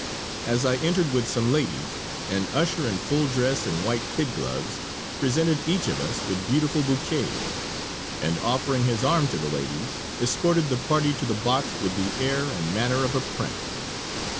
As I entered with some ladies an usher in full dress and white kid gloves presented each of us with beautiful bouquets, and offering his arm to the ladies, escorted the party to the box with the air and manner of a prince.